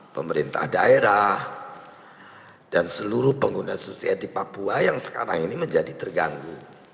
pemerintah daerah dan seluruh pengguna susi air di papua yang sekarang ini menjadi terganggu